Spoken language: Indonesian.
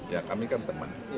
ya kami kan teman